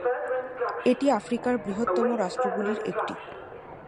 এটি আফ্রিকার বৃহত্তম রাষ্ট্রগুলির একটি।